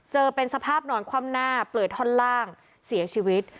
เจอเป็นสภาพนอนคว่ำหน้าเปลือยท่อนล่างเสียชีวิต